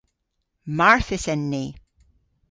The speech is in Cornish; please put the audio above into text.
Marthys en ni.